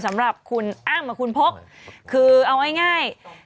สำหรับคุณอ้ำกับคุณพกคือเอาง่าย